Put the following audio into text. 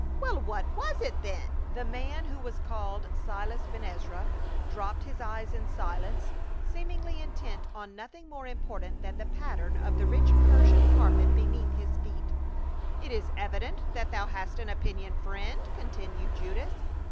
" Well, what was it then ?" 24 PA UL. The man, who was called Silas Ben Ezra, dropped his eyes in silence, seemingly intent on nothing more important than the pattern of the rich Persian carpet beneath his feet. " It is evident that thou hast an opinion, friend," continued Judas.